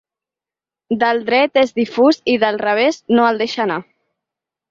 Del dret és difús i del revés no el deixa anar.